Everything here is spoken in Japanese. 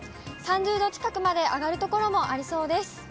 ３０度近くまで上がる所もありそうです。